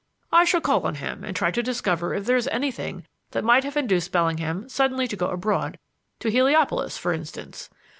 I shall call on him and try to discover if there is anything that might have induced Bellingham suddenly to go abroad to Heliopolis, for instance.